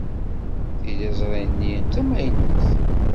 Tiliẓri-nni d tamaynut.